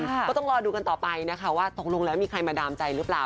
ก็ต้องรอดูกันต่อไปนะคะว่าตกลงแล้วมีใครมาดามใจหรือเปล่า